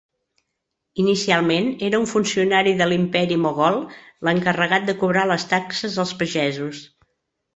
Inicialment era un funcionari de l'Imperi Mogol l'encarregat de cobrar les taxes als pagesos.